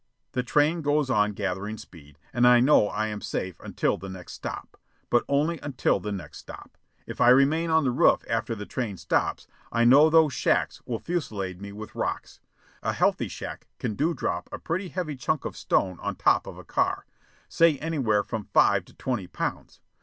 The train goes on gathering speed, and I know I am safe until the next stop but only until the next stop. If I remain on the roof after the train stops, I know those shacks will fusillade me with rocks. A healthy shack can "dewdrop" a pretty heavy chunk of stone on top of a car say anywhere from five to twenty pounds.